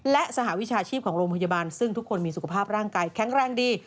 และสหวิชาชีพของโรงพยาบาลซึ่งทุกคนมีสุขภาพร่างกายแข็งแรงดี